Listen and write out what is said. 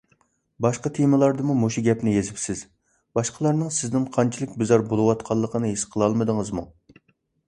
باشقا تېمىلاردىمۇ مۇشۇ گەپنى يېزىپسىز، باشقىلارنىڭ سىزدىن قانچىلىك بىزار بولۇۋاتقانلىقىنى ھېس قىلالمىدىڭىزمۇ؟